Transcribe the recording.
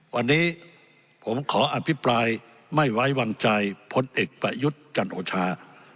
วันนี้ผมขออภิปรายไม่ไว้วางใจพลเอกประยุทธ์จันโอชา